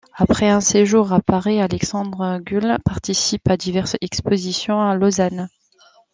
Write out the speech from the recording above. Après un séjour à Paris, Alexandre Guhl participe à diverses expositions à Lausanne.